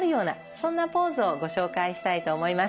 そんなポーズをご紹介したいと思います。